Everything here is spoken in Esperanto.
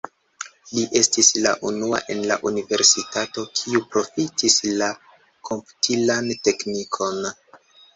Li estis la unua en la universitato, kiu profitis la komputilan teknikon.